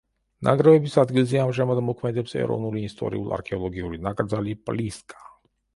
ნანგრევების ადგილზე ამჟამად მოქმედებს ეროვნული ისტორიულ-არქეოლოგიური ნაკრძალი „პლისკა“.